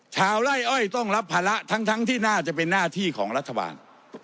ชาวไล่อ้อยต้องรับภาระทั้งที่น่าจะเป็นหน้าที่ของรัฐบาล